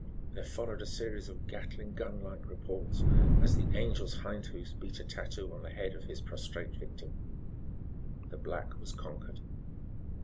Then followed a series of Gatling gun like reports as the Angel's hind hoofs beat a tattoo on the head of his prostrate victim. The black was conquered.